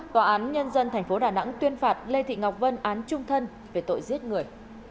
tòa án nhân dân tp đà nẵng tuyên phạt lê thị ngọc vân án trung thân về tội giết người